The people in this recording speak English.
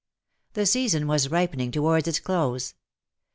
The season was ripening towards its close.